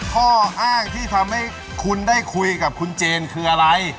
ข้ออ้างที่ทำให้คุณได้คุยกับคุณเจนคืออะไร